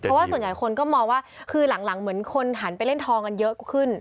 เพราะว่าส่วนใหญ่คนก็มองว่าคือหลังเหมือนคนหันไปเล่นทองกันเยอะขึ้น